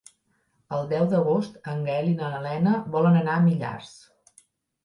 El deu d'agost en Gaël i na Lena volen anar a Millars.